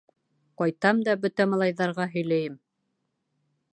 Ҡайтам да бөтә малайҙарға һөйләйем...